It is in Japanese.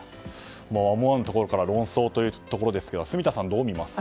思わぬところから論争ということですが住田さん、どう見ますか？